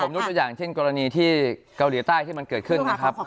ผมรู้ตัวอย่างเช่นกรณีที่เกาหลีใต้ที่มันเกิดขึ้น